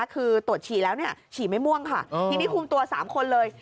คือตรวจฉี่แล้วฉี่ไม่ม่วงค่ะทีนี้คุมตัว๓คนเลย